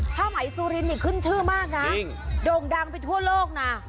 ผ้าไหมซูรินนี่ขึ้นชื่อมากนะโด่งดังไปทั่วโลกนะ